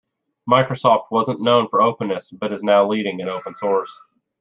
Microsoft wasn't known for openness but is now leading in open source.